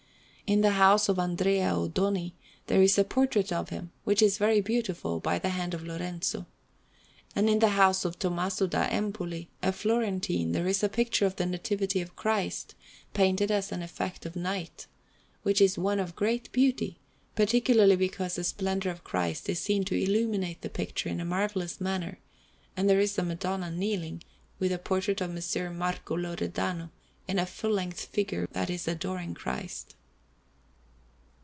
In the house of Andrea Odoni there is a portrait of him, which is very beautiful, by the hand of Lorenzo. And in the house of Tommaso da Empoli, a Florentine, there is a picture of the Nativity of Christ, painted as an effect of night, which is one of great beauty, particularly because the splendour of Christ is seen to illuminate the picture in a marvellous manner; and there is the Madonna kneeling, with a portrait of Messer Marco Loredano in a full length figure that is adoring Christ.